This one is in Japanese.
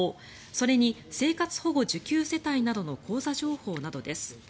それに生活保護受給世帯などの口座情報などです。